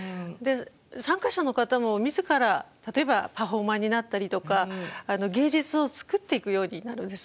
参加者の方も自ら例えばパフォーマーになったりとか芸術を作っていくようになるんです。